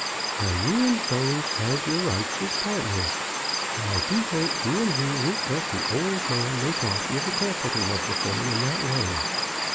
Now, you and Jones has your rights as partners, and I do hope you and he won't let the old man make off with the capital of the firm in that way.